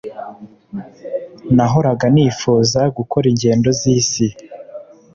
nahoraga nifuza gukora ingendo zisi.